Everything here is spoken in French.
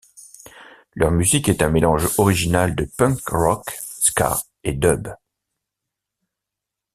Leur musique est un mélange original de punk rock, ska et dub.